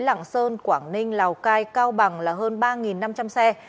lạng sơn quảng ninh lào cai cao bằng là hơn ba năm trăm linh xe